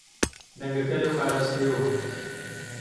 دەنگەکە لەو ئاراستەیەوە هات.